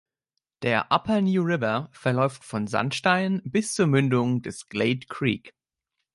Der Upper New River verläuft von Sandstein bis zur Mündung des Glade Creek.